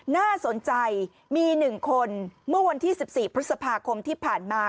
น่าสนใจมี๑คนเมื่อวันที่๑๔พฤษภาคมที่ผ่านมา